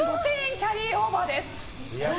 キャリーオーバーです。